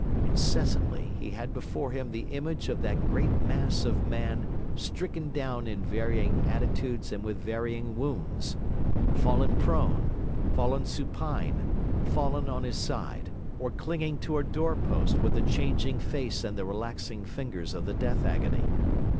Incessantly, he had before him the image of that great mass of man stricken down in varying attitudes and with varying wounds; fallen prone, fallen supine, fallen on his side; or clinging to a doorpost with the changing face and the relaxing fingers of the death agony.